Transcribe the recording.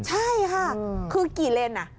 ใช่ค่ะคือกี่เล็นนั่น